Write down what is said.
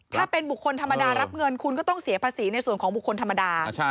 ถ้าเป็นบุคคลธรรมดารับเงินคุณก็ต้องเสียภาษีในส่วนของบุคคลธรรมดา